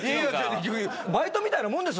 バイトみたいなもんです